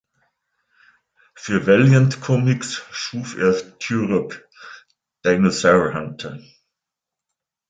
Für "Valiant Comics" schuf er „Turok: Dinosaur Hunter“.